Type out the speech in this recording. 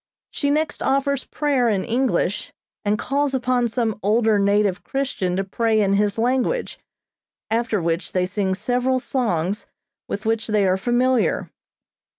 She next offers prayer in English, and calls upon some older native Christian to pray in his language, after which they sing several songs with which they are familiar.